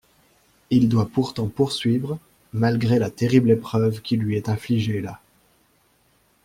Il doit pourtant poursuivre, malgré la terrible épreuve qui lui est infligée là.